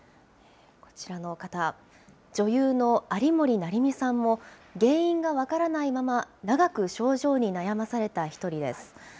こちらの方、女優の有森也実さんも原因が分からないまま長く症状に悩まされた一人です。